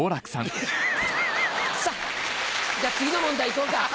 さっじゃ次の問題いこうか。